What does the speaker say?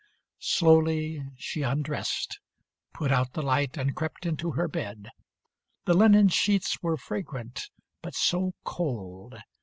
Slowly she undrest, Put out the light and crept into her bed. The linen sheets were fragrant, but so cold.